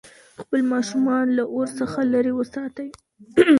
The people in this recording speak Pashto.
خپل ماشومان له اور څخه لرې وساتئ.